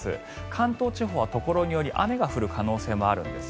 関東地方はところにより雨が降る可能性もあるんです。